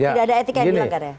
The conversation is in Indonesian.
tidak ada etika yang dilanggar ya